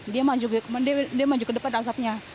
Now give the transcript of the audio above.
dia maju ke depan asapnya